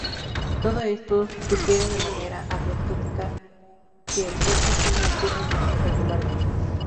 Todo esto sugiere de manera anecdótica que el corte fino ocurre regularmente.